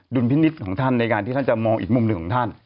ลพินิษฐ์ของท่านในการที่ท่านจะมองอีกมุมหนึ่งของท่าน